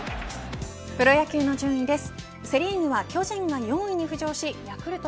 プロ野球の順位です。